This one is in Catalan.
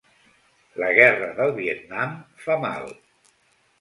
La guerra del Vietnam fa mal.